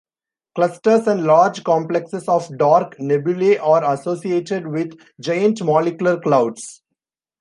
Clusters and large complexes of dark nebulae are associated with Giant Molecular Clouds.